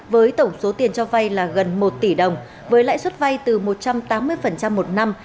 với tổng số tiền cho vay là gần một tỷ đồng với lãi suất vay từ một trăm tám mươi một năm